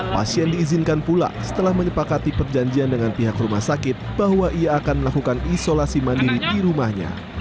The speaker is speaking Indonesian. pasien diizinkan pula setelah menyepakati perjanjian dengan pihak rumah sakit bahwa ia akan melakukan isolasi mandiri di rumahnya